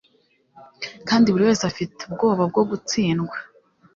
kandi buri wese afite ubwoba bwo gutsindwa. ”